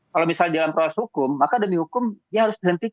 kalau misalnya dalam proses hukum maka demi hukum ya harus dihentikan